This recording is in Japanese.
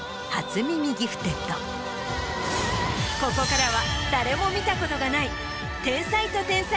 ここからは。